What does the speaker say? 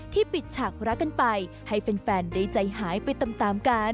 ปิดฉากรักกันไปให้แฟนได้ใจหายไปตามกัน